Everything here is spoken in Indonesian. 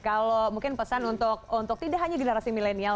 kalau mungkin pesan untuk tidak hanya generasi milenial